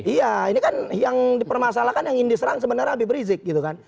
iya ini kan yang dipermasalahkan yang ini diserang sebenarnya lebih berizik gitu kan